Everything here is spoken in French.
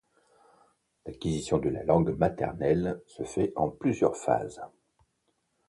L'acquisition de la langue maternelle se fait en plusieurs phases.